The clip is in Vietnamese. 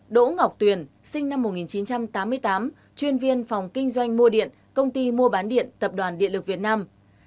bốn đỗ ngọc tuyền sinh năm một nghìn chín trăm tám mươi tám chuyên viên phòng kinh doanh mua điện công ty mua bán điện tập đoàn điện lực việt nam